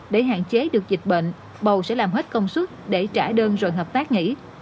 để hạn chế được dịch bệnh bầu sẽ làm hết công suất để trả đơn rồi hợp tác nghỉ